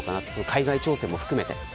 海外挑戦も含めて。